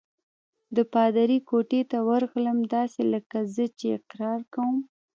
د پادري کوټې ته ورغلم، داسې لکه زه چې اقرار کوم.